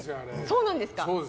そうなんですか。